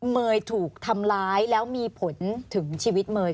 เมย์ถูกทำร้ายแล้วมีผลถึงชีวิตเมย์